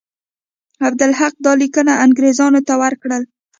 عبدالحق دا لیکونه انګرېزانو ته ورکړل.